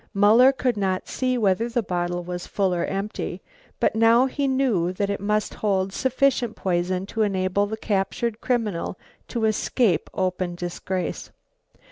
Muller could not see whether the bottle was full or empty, but now he knew that it must hold sufficient poison to enable the captured criminal to escape open disgrace.